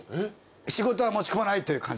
仕事は持ち込まないという感じ？